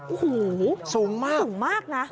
โอ้โหสูงมากสูงมากนะ